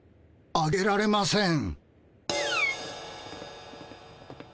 あげられません。